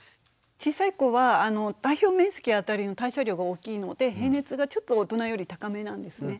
小さい子は体表面積あたりの代謝量が大きいので平熱がちょっと大人より高めなんですね。